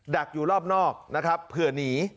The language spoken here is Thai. ักอยู่รอบนอกนะครับเผื่อหนี